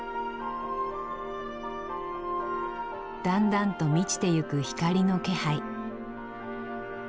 だんだんと満ちてゆく光の気配。